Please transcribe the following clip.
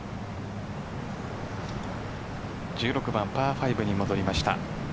１６番パー５に戻りました。